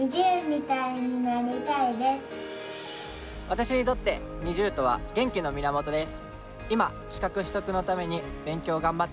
私にとってＮｉｚｉＵとは元気の源です。